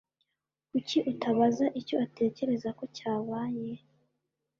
Kuki utabaza icyo atekereza ko cyabaye?